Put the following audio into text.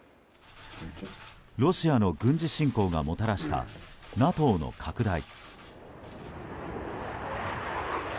ロシアの軍事侵攻がもたらしたＮＡＴＯの拡大。